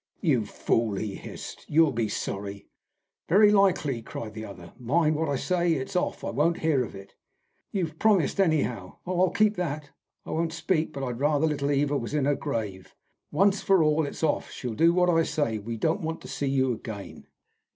"You fool!" he hissed. "You'll be sorry." "Very likely," cried the other. "Mind what I say. It's off! I won't hear of it!" "You've promised, anyhow." "Oh, I'll keep that! I won't speak. But I'd rather little Eva was in her grave. Once for all, it's off. She'll do what I say. We don't want to see you again."